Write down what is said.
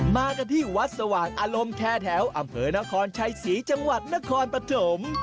มากันที่วัดสว่างอารมณ์แค้นแถวอำเผอนาควรใช้สีจังหวัดนครประถม